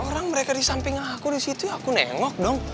orang mereka di samping aku di situ aku nengok dong